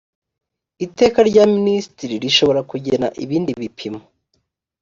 iteka rya minisitiri rishobora kugena ibindi bipimo